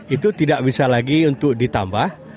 itu tidak bisa lagi untuk ditambah